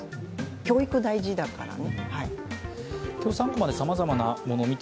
教育は大事だからね。